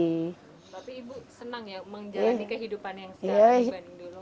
tapi ibu senang ya menjalani kehidupan yang sekarang dibanding dulu